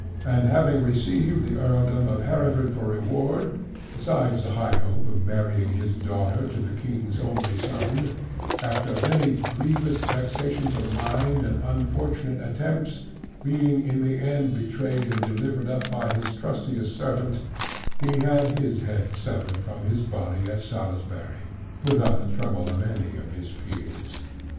And having received the Earldom of Hereford for reward, besides the high hope of marrying his daughter to the King's only son; after many grievous vexations of mind, and unfortunate attempts, being in the end betrayed and delivered up by his trustiest servant; he had his head severed from his body at Salisbury, without the trouble of any of his Peers.